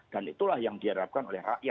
dan itulah yang diharapkan oleh rakyat